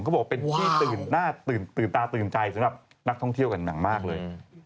ก็เป็นที่ตื่นตาตื่นใจสำหรับนักท่องเที่ยวกันมากเลย